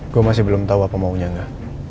gue masih belum tau apa maunya nga